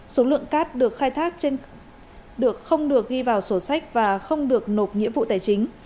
số lượng cát được khai thác không được ghi vào sổ sách và không được nộp nghĩa vụ tài chính